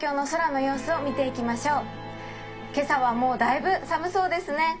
今朝はもうだいぶ寒そうですね。